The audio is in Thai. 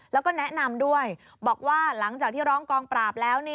แล้วก็แนะนำด้วยบอกว่าหลังจากที่ร้องกองปราบแล้ว